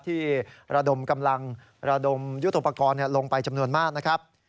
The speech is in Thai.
ที่ระดมกำลังระดมยุทธโปรกรณ์ลงไปจำนวนมากนะครับ